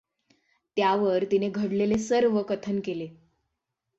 त्यावर तिने घडलेले सर्व कथन केले.